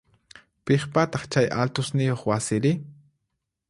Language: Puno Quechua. Piqpataq chay altosniyoq wasiri?